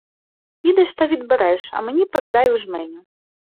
Підеш та відбереш, а мені передай у жменю.